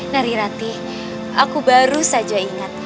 nari ratih aku baru saja ingat